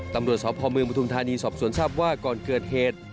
ตำรวจสพเมืองปฐุมธานีสอบสวนทราบว่าก่อนเกิดเหตุ